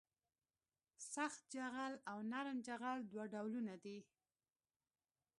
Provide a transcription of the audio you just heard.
سخت جغل او نرم جغل دوه ډولونه دي